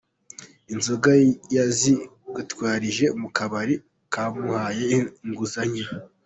Inzoga yazigwatirije mu kabari kamuhaye inguzanyo”.